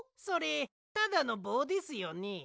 それただのぼうですよね？